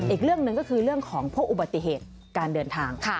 อีกเรื่องหนึ่งก็คือเรื่องของพวกอุบัติเหตุการเดินทาง